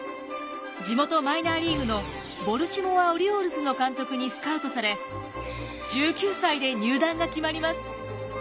地元マイナーリーグのボルチモア・オリオールズの監督にスカウトされ１９歳で入団が決まります。